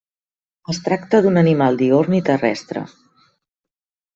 Es tracta d'un animal diürn i terrestre.